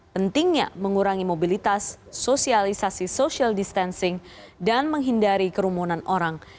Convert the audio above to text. pentingnya mengurangi mobilitas sosialisasi social distancing dan menghindari kerumunan orang